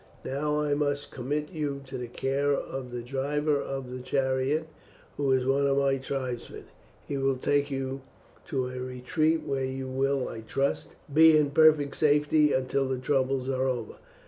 Now I must commit you to the care of the driver of the chariot, who is one of my tribesmen. He will take you to a retreat where you will, I trust, be in perfect safety until the troubles are over.